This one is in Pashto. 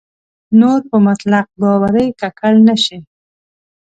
نور په مطلق باورۍ ککړ نه شي.